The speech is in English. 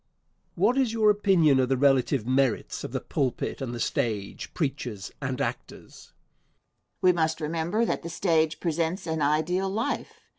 What is your opinion of the relative merits of the pulpit and the stage, preachers and actors? Answer. We must remember that the stage presents an ideal life.